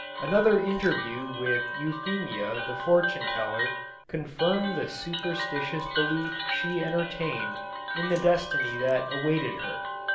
Another interview with Euphemia the fortune teller, confirmed the superstitious belief she entertained in the destiny that awaited her.